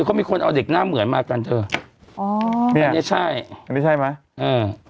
เขามีคนเอาเด็กหน้าเหมือนมากันเถอะอ๋ออันเนี้ยใช่อันนี้ใช่ไหมเออ